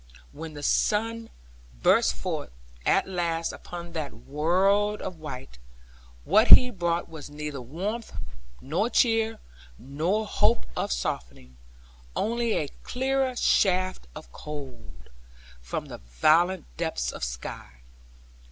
For when the sun burst forth at last upon that world of white, what he brought was neither warmth, nor cheer, nor hope of softening; only a clearer shaft of cold, from the violet depths of sky.